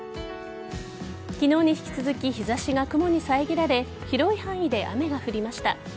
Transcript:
昨日に引き続き日差しが雲にさえぎられ広い範囲で雨が降りました。